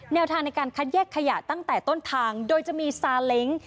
แนวทางในการคัดแยกขยะตั้งแต่ต้นทางโดยจะมีซาเล้ง